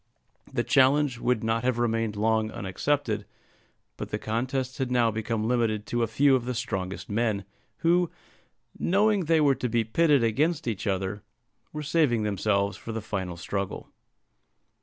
The challenge would not have remained long unaccepted, but the contest had now become limited to a few of the strongest men, who, knowing they were to be pitted against each other, were saving themselves for the final struggle.